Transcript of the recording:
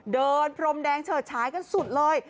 เดินพรมแดงเฉิดช้ายกันสุดเลย